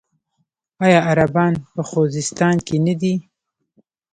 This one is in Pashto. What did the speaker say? آیا عربان په خوزستان کې نه دي؟